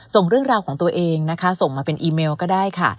ส่งเรื่องราวของตัวเองนะคะส่งมาเป็นอีเมลก็ได้ค่ะ